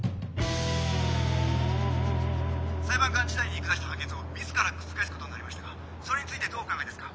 「裁判官時代に下した判決を自ら覆すことになりましたがそれについてどうお考えですか？」。